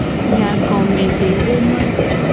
Nyagomedexoma.